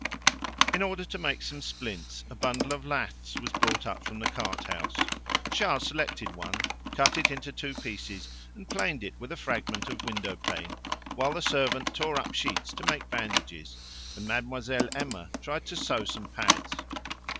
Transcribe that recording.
In order to make some splints a bundle of laths was brought up from the cart house. Charles selected one, cut it into two pieces and planed it with a fragment of windowpane, while the servant tore up sheets to make bandages, and Mademoiselle Emma tried to sew some pads.